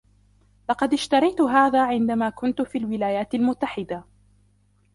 لقد اشتريت هذا عندما كنت في الولايات المتحدة.